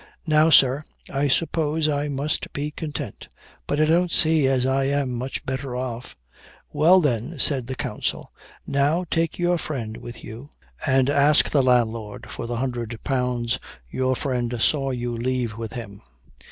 "Now, sir, I suppose I must be content; but I don't see as I am much better off." "Well, then," said the counsel, "now take your friend with you, and ask the landlord for the hundred pounds your friend saw you leave with him."